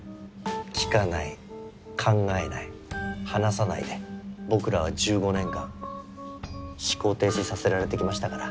聞かない考えない話さないで僕らは１５年間思考停止させられてきましたから。